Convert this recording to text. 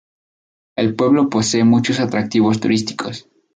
El pueblo posee muchos atractivos turísticos.